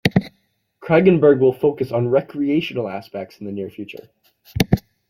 Kraggenburg will focus on recreational aspects in the near future.